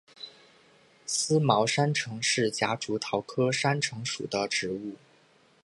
思茅山橙是夹竹桃科山橙属的植物。